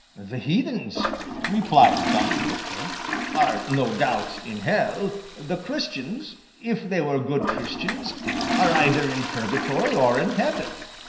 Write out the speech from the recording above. "The heathens," replied Don Quixote, "are, no doubt, in hell; the Christians, if they were good Christians, are either in purgatory or in heaven."